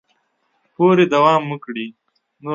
پورې دوام وکړي